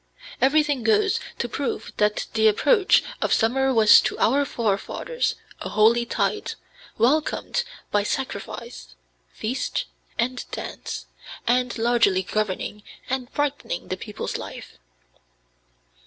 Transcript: Everything goes to prove that the approach of summer was to our forefathers a holy tide, welcomed by sacrifice, feast, and dance, and largely governing and brightening the people's life."